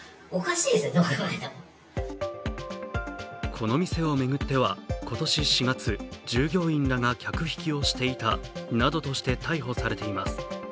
この店を巡っては、今年４月、従業員らが客引きをしていたなどとして逮捕されています。